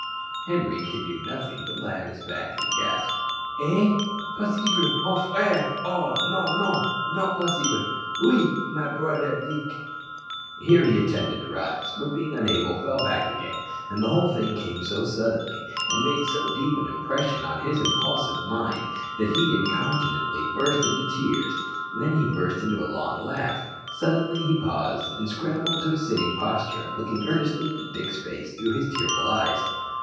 Henri could do nothing but lie on his back and gasp, "Eh! possible! mon frere! Oh, non, non, not possible. Oui! my broder Deek!" Here he attempted to rise, but being unable fell back again, and the whole thing came so suddenly, and made so deep an impression on his impulsive mind, that he incontinently burst into tears; then he burst into a long laugh. Suddenly he paused, and scrambling up to a sitting posture, looked earnestly into Dick's face through his tearful eyes.